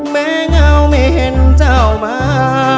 แม้เงาไม่เห็นเจ้ามา